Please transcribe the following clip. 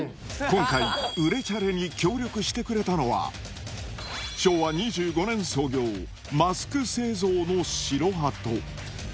今回、売れチャレに協力してくれたのは、昭和２５年創業、マスク製造の白鳩。